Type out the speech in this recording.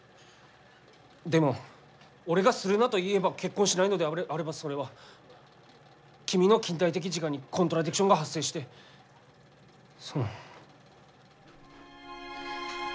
でも俺が「するな」と言えば結婚しないのであればそれは君の近代的自我にコントラディクションが発生してその。